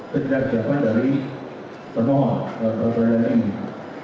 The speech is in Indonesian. terjadikan dari pemohon pra peradilan ini